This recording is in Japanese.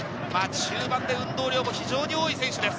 中盤で運動量も非常に多い選手です。